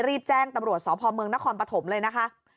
รีบแจ้งตำรวจสพเมืองนครปฐมเลยนะคะ